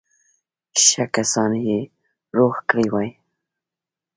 ښه کسان به یې فارغ کړي وای.